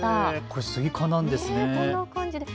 これ、スイカなんですね。